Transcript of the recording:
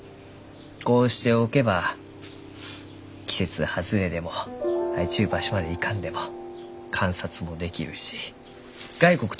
こうしておけば季節外れでも生えちゅう場所まで行かんでも観察もできるし外国と交換もできる。